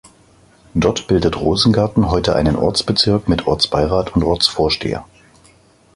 Dort bildet Rosengarten heute einen Ortsbezirk mit Ortsbeirat und Ortsvorsteher.